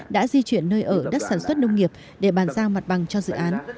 đã di chuyển nơi ở đất sản xuất nông nghiệp để bàn giao mặt bằng cho dự án